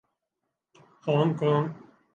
Hong Kong